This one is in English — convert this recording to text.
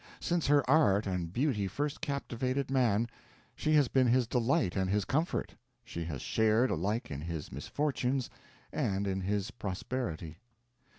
Since her art and beauty first captivated man, she has been his delight and his comfort; she has shared alike in his misfortunes and in his prosperity.